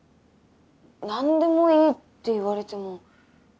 何でもいいって言われても。